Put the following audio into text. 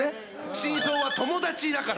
真相は「友達だから」